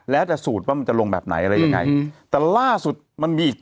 แล้วแต่สูตรว่ามันจะลงแบบไหนยังไง